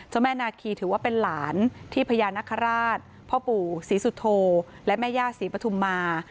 แม่นาคีถือว่าเป็นหลานที่พญานคราชพ่อปู่ศรีสุโธและแม่ย่าศรีปฐุมมา